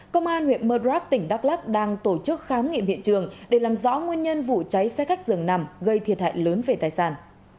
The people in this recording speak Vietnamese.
công an huyện mơ đrắc tỉnh đắk lắc đang tổ chức khám nghiệm hiện trường để làm rõ nguyên nhân vụ cháy xe khách dường nằm gây thiệt hại lớn về tài sản